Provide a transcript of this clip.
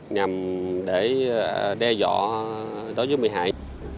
nhằm để đe dọa đối với bị hại